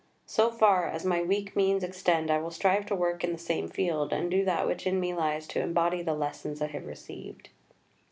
So far as my weak means extend I will strive to work in the same field, and do that which in me lies to embody the lessons I have received."